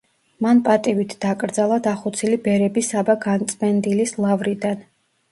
მან პატივით დაკრძალა დახოცილი ბერები საბა განწმენდილის ლავრიდან.